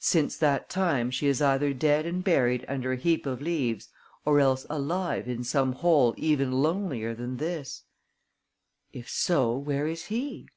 "Since that time, she is either dead and buried under a heap of leaves or else alive in some hole even lonelier than this." "If so, where is he?"